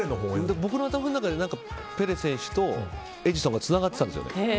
僕の頭の中でペレ選手とエジソンがつながってたんですよね。